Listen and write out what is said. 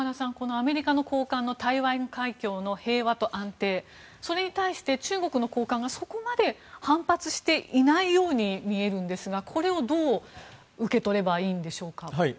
アメリカの高官の台湾海峡の平和と安定それに対して中国の高官がそこまで反発していないように見えるんですがこれをどう受け取ればいいんでしょうか。